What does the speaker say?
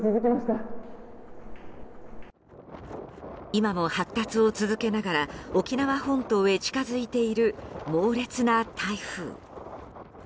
今も発達を続けながら沖縄本島へ近づいている猛烈な台風。